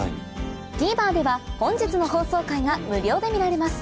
ＴＶｅｒでは本日の放送回が無料で見られます